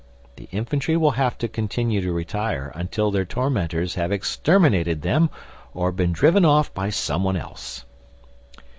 The infantry will have to continue to retire until their tormentors have exterminated them or been driven off by someone else.